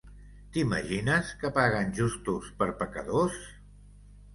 T'imagines que paguen justos per pecadors?